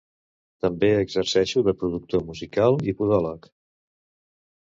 També exerceixo de productor musical i podòleg.